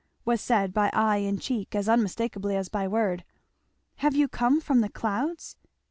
was said by eye and cheek as unmistakably as by word. "Have you come from the clouds?"